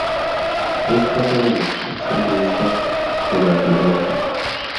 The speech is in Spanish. Es casa de la selección de Islas de Barlovento.